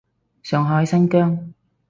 上海，新疆